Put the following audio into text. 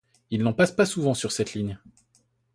Il n'en passe pas souvent sur cette ligne.